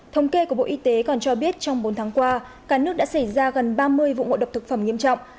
thống kê của bộ y tế còn cho biết trong bốn tháng qua cả nước đã xảy ra gần ba mươi vụ ngộ độc thực phẩm nghiêm trọng